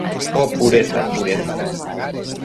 O, pureza! pureza!